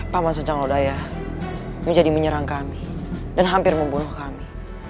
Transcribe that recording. paman sujang lodayah menjadi menyerang kami dan hampir membunuh kami